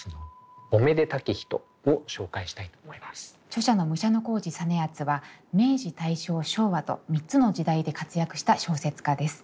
著者の武者小路実篤は明治大正昭和と３つの時代で活躍した小説家です。